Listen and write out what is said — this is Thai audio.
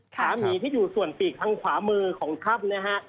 หมาที่อยู่ส่วนปีกทางขวามือของถ้ำนะฮะ